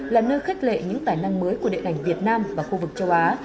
là nơi khích lệ những tài năng mới của địa ngành việt nam và khu vực châu á